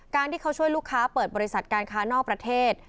ที่เขาช่วยลูกค้าเปิดบริษัทการค้านอกประเทศ